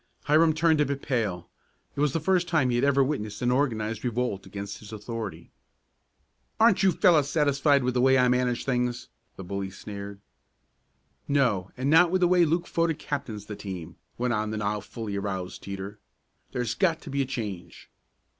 Hiram turned a bit pale. It was the first time he had ever witnessed an organized revolt against his authority. "Aren't you fellows satisfied with the way I manage things?" the bully sneered. "No, and not with the way Luke Fodick captains the team," went on the now fully aroused Teeter. "There's got to be a change."